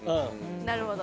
なるほど。